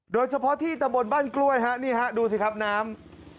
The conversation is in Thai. โดยเฉพาะที่ตะบนบ้านกล้วยฮะนี่ฮะดูสิครับน้ำ